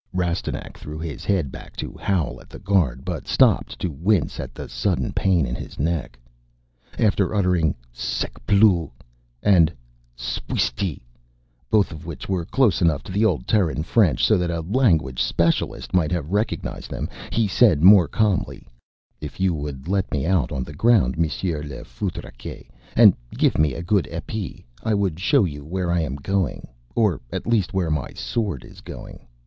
Rastignac threw his head back to howl at the guard but stopped to wince at the sudden pain in his neck. After uttering, "Sek Ploo!" and "S'pweestee!" both of which were close enough to the old Terran French so that a language specialist might have recognized them, he said, more calmly, "If you would let me out on the ground, monsieur le foutriquet, and give me a good épée, I would show you where I am going. Or, at least, where my sword is going.